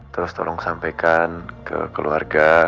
terus tolong sampaikan ke keluarga